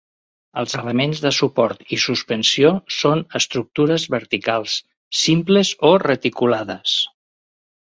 Els elements de suport i suspensió són estructures verticals, simples o reticulades.